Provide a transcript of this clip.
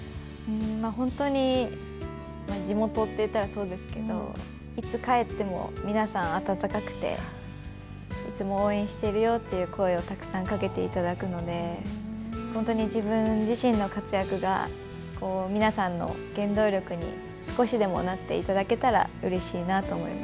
本当に地元っていったらそうですけどいつ帰っても皆さん温かくて、いつも応援しているよっていう声をたくさんかけていただくので本当に自分自身の活躍が皆さんの原動力に少しでもなっていただけたらうれしいなと思います。